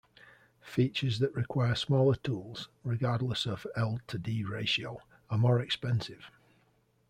Features that require smaller tools, regardless of L:D ratio, are more expensive.